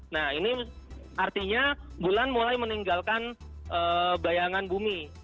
nah ini artinya bulan mulai meninggalkan bayangan bumi